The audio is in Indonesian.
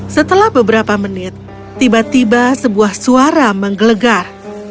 setelah beberapa menit tiba tiba sebuah suara menggelegar